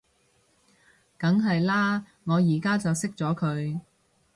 梗係喇，我而家就熄咗佢